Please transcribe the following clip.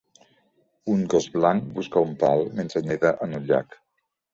Un gos blanc busca un pal mentre neda en un llac